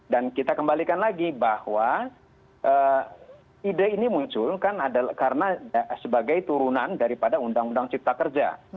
dan kita kembalikan lagi bahwa ide ini muncul kan karena sebagai turunan daripada undang undang cipta kerja